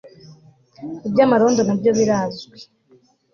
Iby amarondo nabyo birazwi